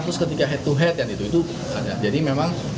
terus ketika head to head jadi memang